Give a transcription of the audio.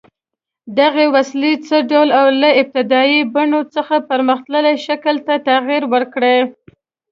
دغې وسیلې څه ډول له ابتدايي بڼې څخه پرمختللي شکل ته تغییر کړی؟